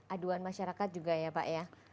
aduan masyarakat juga ya pak ya